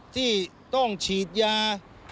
ที่ต้องฉีดยา